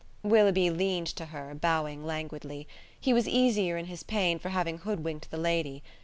Willoughby leaned to her, bowing languidly. He was easier in his pain for having hoodwinked the lady.